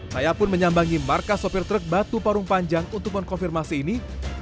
saya pun menyambangi markas sopir truk batu parung panjang untuk mengkonfirmasi ini